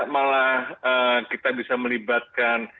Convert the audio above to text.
malah kita bisa melibatkan